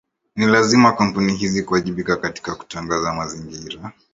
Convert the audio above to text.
Ni lazima kampuni hizi kuwajibika katika kutunza mazingira